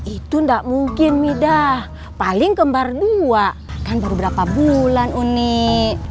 itu tidak mungkin mida paling kembar dua kan baru berapa bulan unik